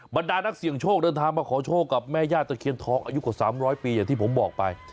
บรรดานักเสี่ยงโชคเดินทางมาขอโชคกับแม่ย่าตะเคียนทองอายุกว่า๓๐๐ปีอย่างที่ผมบอกไป